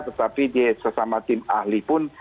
tetapi dia sesama tim ahli pun